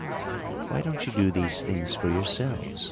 "Why don't you do these things for yourselves?"